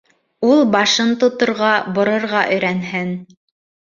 Ул башын тоторға, борорға өйрәнһен.